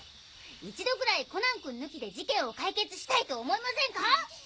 一度ぐらいコナンくん抜きで事件を解決したいと思いませんか？